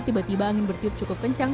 tiba tiba angin bertiup cukup kencang